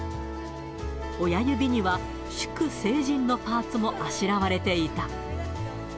親指には祝成人のパーツもあしらわれていた。